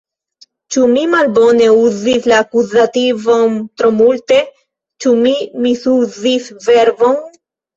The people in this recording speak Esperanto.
Ĉu mi malbone uzis la akuzativon tro multe, Ĉu mi misuzis verbon?